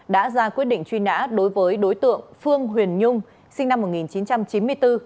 đã ra quyết định truy nã đối với đối tượng phương huyền nhung sinh năm một nghìn chín trăm chín mươi bốn